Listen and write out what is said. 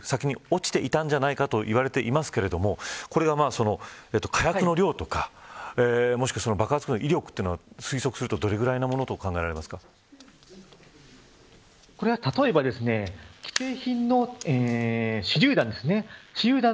もし破片が５０メートル先に落ちていたんじゃないかと言われてますがこれが、火薬の量とかもしくは爆発の威力というのは推測するとどれくらいのものとこれは、例えば既製品の手りゅう弾ですね